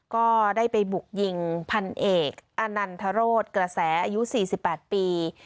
ก็ได้ไปบุกยิงพันเอกอานันทรศกระแสอายุ๔๘ปี